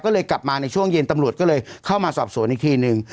ก็เลยกลับมาในช่วงเย็นตำรวจก็เลยเข้ามาสอบสวนอีกทีนึง